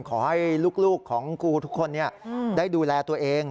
ขอให้ลูกของกูทุกคนได้ดูแลตัวเอง